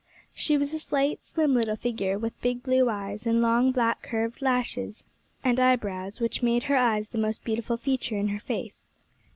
She was a slight, slim little figure, with big blue eyes, and long, black curved lashes and eyebrows, which made her eyes the most beautiful feature in her face.